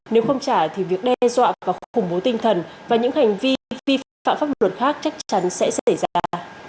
nếu không trả thì việc đe dọa và khủng bố tinh thần và những hành vi phi pháp luật khác chắc chắn sẽ xảy ra